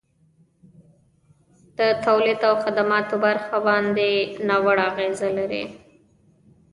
د تولید او خدماتو برخه باندي ناوړه اغیزه لري.